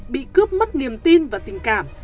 bị cướp mất niềm tin và tình cảm